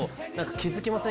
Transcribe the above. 気付きません？